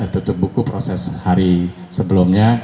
tutup buku proses hari sebelumnya